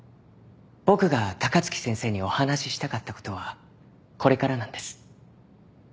僕が高槻先生にお話ししたかったことはこれからなんです。